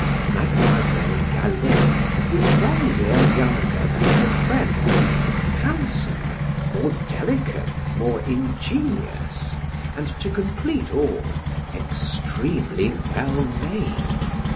Mademoiselle Galley was one year younger than her friend, handsomer, more delicate, more ingenious, and to complete all, extremely well made.